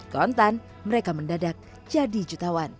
kontan mereka mendadak jadi jutawan